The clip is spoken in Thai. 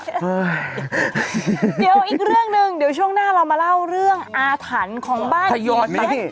เดี๋ยวอีกเรื่องหนึ่งเดี๋ยวช่วงหน้าเรามาเล่าเรื่องอาถรรพ์ของบ้านทยอง